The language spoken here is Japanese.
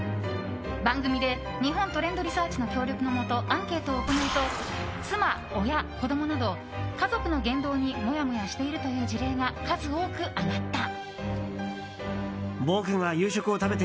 番組で日本トレンドリサーチの協力のもとアンケートを行うと妻、親、子供など家族の言動にもやもやしているという事例が数多く上がった。